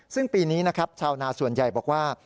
ซึ่งปีนี้นะครับชาวนาส่วนใหญ่บอกว่า